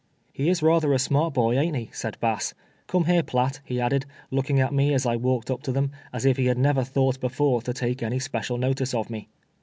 " He is rather a smart boy, ain't he ?" said Bass. " Come here, Piatt," he added, looking at me as I walked np to them, as if he had never thought before to take any special notice of me.